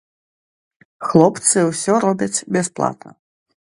Хлопцы ўсё робяць бясплатна.